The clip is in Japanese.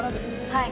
はい。